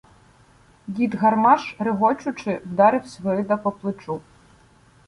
Дід Гармаш, регочучи, вдарив Свирида по плечу.